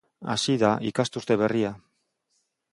Hasi da ikasturte berria.